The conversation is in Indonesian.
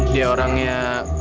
dia orang yang